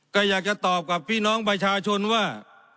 ก็อยากจะตอบกับพี่น้องประชาชนว่า